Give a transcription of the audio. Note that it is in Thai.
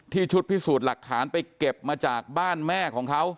ชุดพิสูจน์หลักฐานไปเก็บมาจากบ้านแม่ของเขา